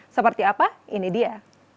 seperti apa ini dia